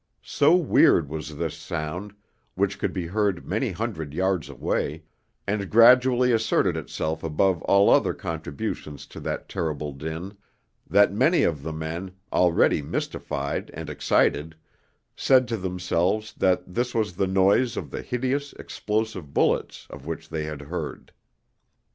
So weird was this sound, which could be heard many hundred yards away, and gradually asserted itself above all other contributions to that terrible din, that many of the men, already mystified and excited, said to themselves that this was the noise of the hideous explosive bullets of which they had heard.